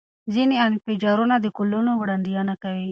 ځینې انفجارونه د کلونو وړاندوینه لري.